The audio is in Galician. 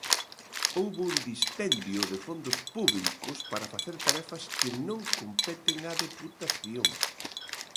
Houbo un dispendio de fondos públicos para facer tarefas que non competen á Deputación.